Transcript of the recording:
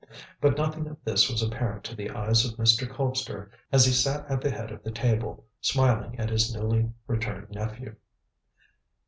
But nothing of this was apparent to the eyes of Mr. Colpster as he sat at the head of the table, smiling at his newly returned nephew.